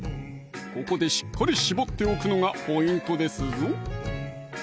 ここでしっかりしぼっておくのがポイントですぞ